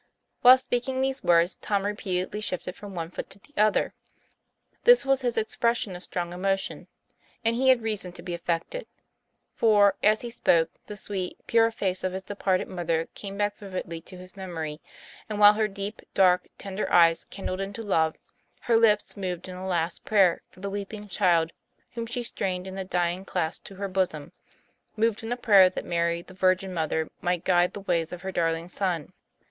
Whilst speaking these words, Tom repeatedly shifted from one foot to the other. This was his expression of strong emotion. And he had reason to be affected. For, as he spoke, the sweet, pure face of his departed mother came back vividly to his memory, and while her deep, dark, tender eyes kindled into love, her lips moved in a last prayer for the weeping child whom she strained in a dying clasp to her bosom; moved in a prayer that Mary the Virgin Mother might guide the ways of her dar ling son.